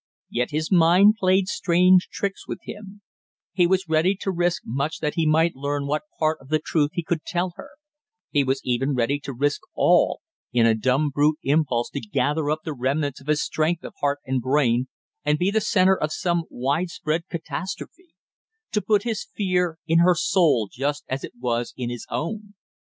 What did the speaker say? Yet his mind played strange tricks with him; he was ready to risk much that he might learn what part of the truth he could tell her; he was even ready to risk all in a dumb brute impulse to gather up the remnants of his strength of heart and brain, and be the center of some widespread catastrophe; to put his fear in her soul just as it was in his own.